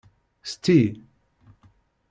Sti!